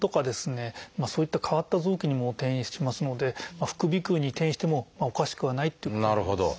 そういった変わった臓器にも転移しますので副鼻腔に転移してもおかしくはないっていうことになります。